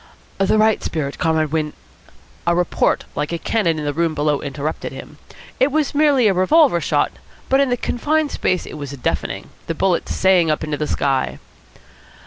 "The right spirit, Comrade Win " A report like a cannon in the room below interrupted him. It was merely a revolver shot, but in the confined space it was deafening. The bullet sang up into the sky.